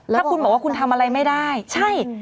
ถ้าคุณบอกว่าคุณทำอะไรไม่ได้ใช่